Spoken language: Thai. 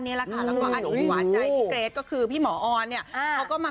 นี่แหละค่ะแล้วก็อดีตหวานใจพี่เกรทก็คือพี่หมอออนเนี่ยเขาก็มา